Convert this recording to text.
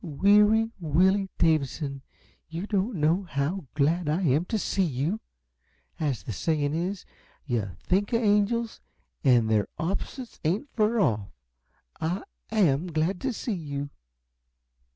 "Weary Willy Davidson, you don't know how glad I am to see you! As the sayin' is: 'Yuh think of angels an' their opposets ain't fur off.' I AM glad to see you."